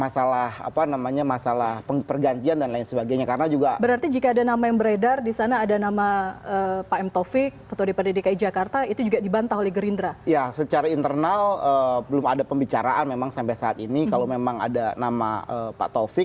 saya rasa juga